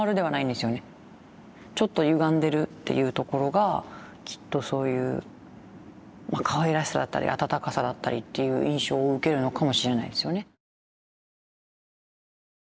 ちょっとゆがんでるっていうところがきっとそういうかわいらしさだったり温かさだったりっていう印象を受けるのかもしれないですよね。